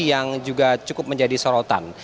yang juga cukup menjadi sorotan